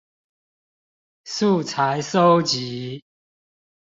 素材蒐集